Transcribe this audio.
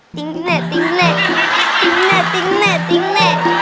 ติ๊งเน่ติ๊งเน่